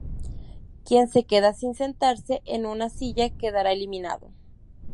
Quien se queda sin sentarse en una silla quedará eliminado.